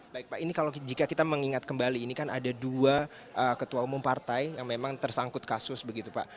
baik pak ini kalau jika kita mengingat kembali ini kan ada dua ketua umum partai yang memang tersangkut kasus begitu pak